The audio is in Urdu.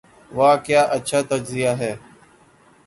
'' واہ کیا اچھا تجزیہ ہے۔